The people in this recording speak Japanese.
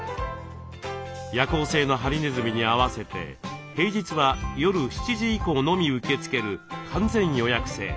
夜行性のハリネズミに合わせて平日は夜７以降のみ受け付ける完全予約制。